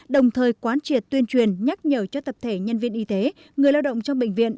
đồng thời quán triệt tuyên truyền nhắc nhở cho tập thể nhân viên y tế người lao động trong bệnh viện